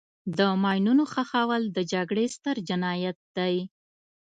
د ماینونو ښخول د جګړې ستر جنایت دی.